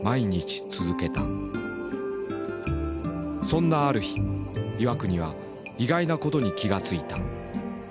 そんなある日岩國は意外なことに気が付いた。